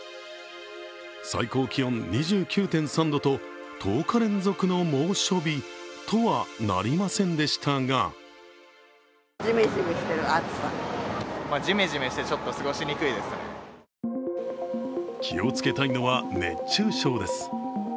最高気温２９．３度と、１０日連続の猛暑日とはなりませんでしたが気をつけたいのは熱中症です。